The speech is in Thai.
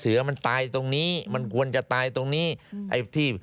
แล้วก็มีแผนที่เขตรักษาพันธุ์สัตว์ป่า